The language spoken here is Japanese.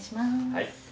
はい。